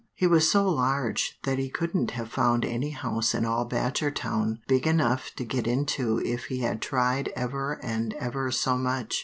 He was so large that he couldn't have found any house in all Badgertown big enough to get into if he had tried ever and ever so much.